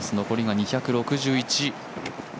残りが２６１。